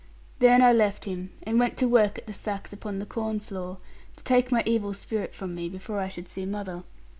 Then I left him, and went to work at the sacks upon the corn floor, to take my evil spirit from me before I should see mother.